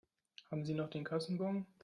Haben Sie noch den Kassenbon?